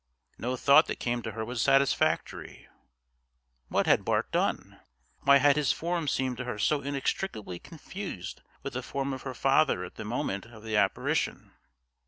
No thought that came to her was satisfactory. What had Bart done? Why had his form seemed to her so inextricably confused with the form of her father at the moment of the apparition?